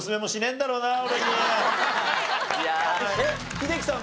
英樹さん